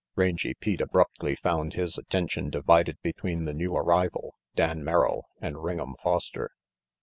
Rangy Pete abruptly found his attention divided between the new arrival, Dan Merrill and Ring'em Foster.